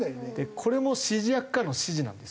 これも指示役からの指示なんですよ。